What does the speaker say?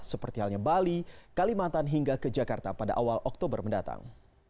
seperti halnya bali kalimantan hingga ke jakarta pada awal oktober mendatang